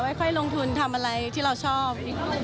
ค่อยลงทุนทำอะไรที่เราชอบ